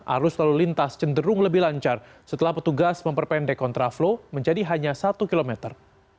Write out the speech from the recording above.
arus lalu lintas cenderung lebih lancar setelah petugas memperpendek kontraflow menjadi hanya satu kilometer